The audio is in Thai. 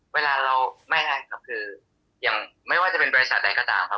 เวลาเราไม่งั้นครับคืออย่างไม่ว่าจะเป็นบริษัทใดก็ตามครับ